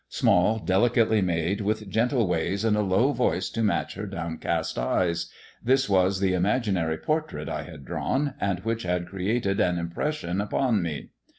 Small, delicately made, with gentle ways and a low voice to match her downcast eyes — this was the imaginary portrait I had drawn, and which had created an impression upon me.